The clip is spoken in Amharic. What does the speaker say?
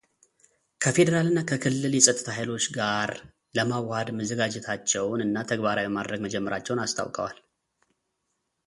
ከፌደራል እና ከክልል የፀጥታ ኃይሎች ጋር ለማዋሃድ መዘጋጀታቸውን እና ተግባራዊ ማድረግ መጀመራቸውን አስታውቀዋል።